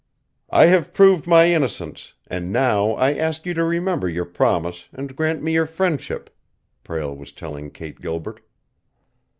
"I have proved my innocence, and now I ask you to remember your promise and grant me your friendship," Prale was telling Kate Gilbert.